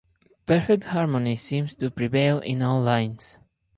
Perfect harmony seems to prevail in all lines.